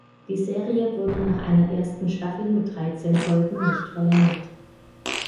Die Serie wurde nach einer ersten Staffel mit dreizehn Folgen nicht verlängert.